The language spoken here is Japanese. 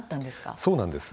そうなんです。